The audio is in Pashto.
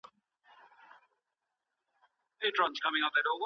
ښه عمل برکت لري